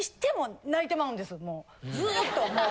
もうずっともう。